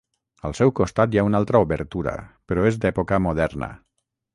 Al seu costat hi ha una altra obertura, però és d'època moderna.